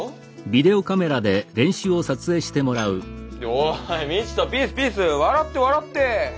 おい道人ピースピース笑って笑って。